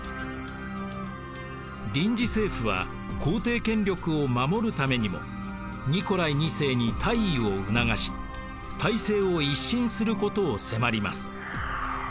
臨時政府は皇帝権力を守るためにもニコライ２世に退位を促し体制を一新することを迫ります。